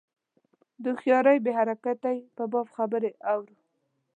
د هوښیاري بې حرکتۍ په باب خبرې اورو.